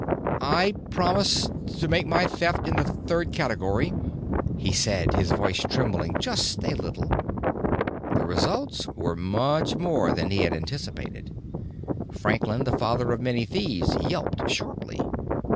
"I promise to make my theft in the third category," he said, his voice trembling just a little. The results were much more than he had anticipated. Franklin the Father of Many Thieves yelped sharply.